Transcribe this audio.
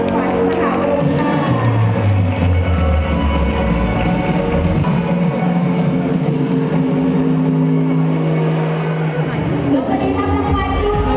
กลับมากันละค่ะ